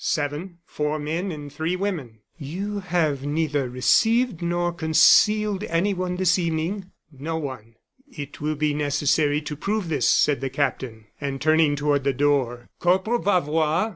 "Seven four men and three women." "You have neither received nor concealed anyone this evening?" "No one." "It will be necessary to prove this," said the captain. And turning toward the door: "Corporal Bavois!"